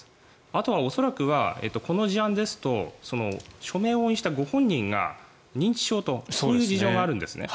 あとは恐らくはこの事案ですと署名・押印をしたご本人が認知症という事情があるんですね。